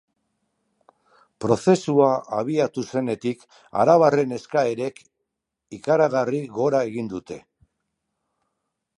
Prozesua abiatu zenetik arabarren eskaerek ikaragarri gora egin dute.